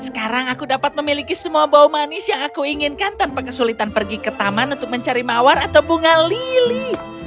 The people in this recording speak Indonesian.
sekarang aku dapat memiliki semua bau manis yang aku inginkan tanpa kesulitan pergi ke taman untuk mencari mawar atau bunga lili